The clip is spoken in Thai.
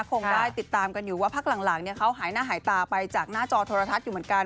คงได้ติดตามกันอยู่ว่าพักหลังเขาหายหน้าหายตาไปจากหน้าจอโทรทัศน์อยู่เหมือนกัน